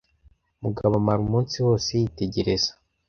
Mugabo amara umunsi wose yitegereza